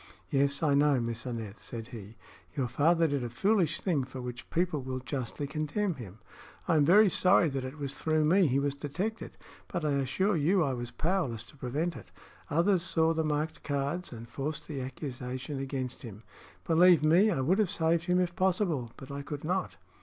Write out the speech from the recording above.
"Yes, I know, Miss Aneth," said he. "Your father did a foolish thing, for which people will justly condemn him. I am very sorry that it was through me he was detected, but I assure you I was powerless to prevent it. Others saw the marked cards and forced the accusation against him. Believe me, I would have saved him if possible; but I could not."